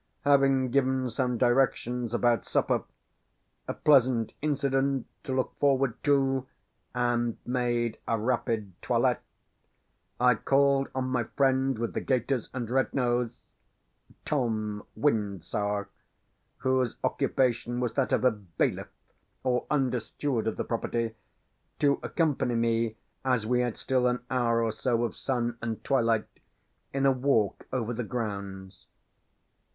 Having given some directions about supper a pleasant incident to look forward to and made a rapid toilet, I called on my friend with the gaiters and red nose (Tom Wyndsour) whose occupation was that of a "bailiff," or under steward, of the property, to accompany me, as we had still an hour or so of sun and twilight, in a walk over the grounds.